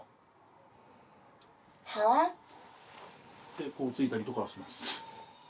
でこうついたりとかはします。